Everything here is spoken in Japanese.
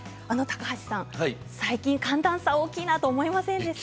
高橋さん、最近寒暖差大きいなと思いませんか？